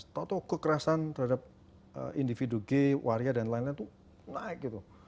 tau tau kekerasan terhadap individu gate waria dan lain lain itu naik gitu